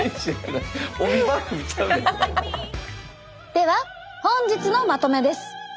では本日のまとめです。